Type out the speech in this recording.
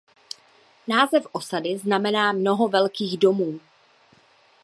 Název osady znamená "mnoho velkých domů".